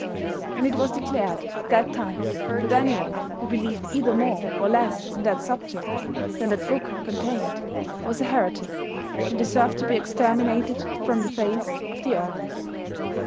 And it was declared at that time that anyone who believed either more or less on that subject than that book contained was a heretic and deserved to be exterminated from the face of the earth.